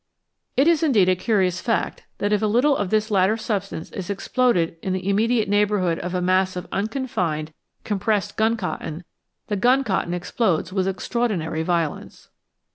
It is indeed a curious fact that if a little of this latter substance is exploded in the im mediate neighbourhood of a mass of unconfined, compressed 175 EXPLOSIONS AND EXPLOSIVES gun cotton, the gun cotton explodes with extraordinary violence.